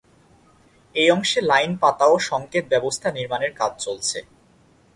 এই অংশে লাইন পাতা ও সংকেত ব্যবস্থা নির্মাণের কাজ চলছে।